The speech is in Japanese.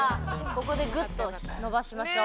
ここでぐっと伸ばしましょう。